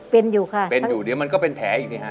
เป็นอยู่ค่ะเป็นอยู่เดี๋ยวมันก็เป็นแผลอีกนี่ฮะ